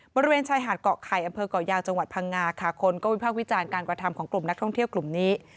บริเวณชายหาดเกาะไข่อำเภอกเกาะยาวจังหวัดพังงาค่ะคนก็วิพากษ์วิจารณ์การกระทำของกลุ่มนักท่องเที่ยวกลุ่มนี้